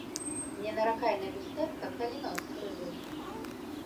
Не наракай на люстэрка, калі нос крывы